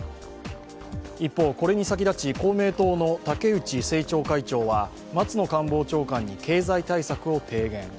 一方、これに先立ち、公明党の竹内政調会長は松野官房長官に経済対策を提言。